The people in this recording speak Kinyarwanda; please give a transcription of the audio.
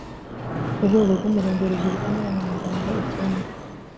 urwego rw’umurenge rugizwe n’abanyamuryango icyenda